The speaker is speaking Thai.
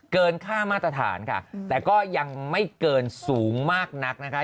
เกินค่ามาตรฐานค่ะแต่ก็ยังไม่เกินสูงมากนักนะคะ